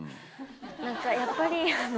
何かやっぱりあの。